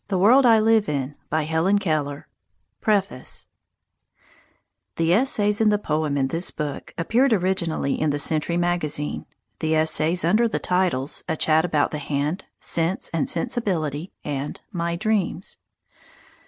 ROGERS MY DEAR FRIEND OF MANY YEARS PREFACE The essays and the poem in this book appeared originally in the "Century Magazine," the essays under the titles "A Chat About the Hand," "Sense and Sensibility," and "My Dreams."